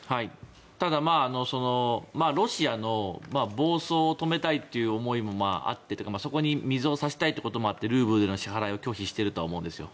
ただ、ロシアの暴走を止めたいという思いもあってというかそこに水を差したいということもあってルーブルでの支払いを拒否していると思うんですよ。